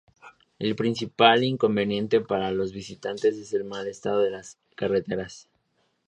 El principal inconveniente para los visitantes es el mal estado de las carreteras.